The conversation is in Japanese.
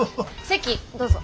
席どうぞ。